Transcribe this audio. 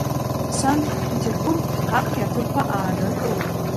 Санкт-Петербург, актәи аҭыԥқәа ааныркылеит.